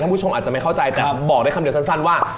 ผู้ชมอาจจะไม่เข้าใจแต่บอกได้คำเดียวสั้นว่า